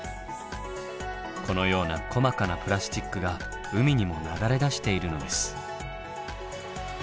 このような細かなプラスチックが海にも流れ出しているのです。